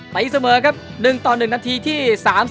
ไปเสมอครับ๑ตอน๑นาทีที่๓๔